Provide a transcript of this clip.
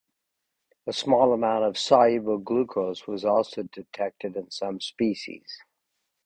A small amount of soluble glucose was also detected in some species.